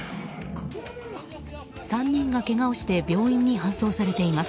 ３人がけがをして病院に搬送されています。